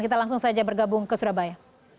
kita langsung saja bergabung ke surabaya